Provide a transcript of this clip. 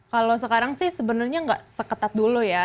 kalau sekarang sih sebenarnya nggak seketat dulu ya